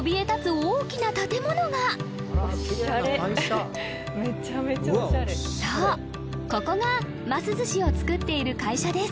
オシャレそうここがます寿司を作っている会社です